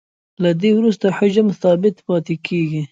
له دې وروسته حجم ثابت پاتې کیږي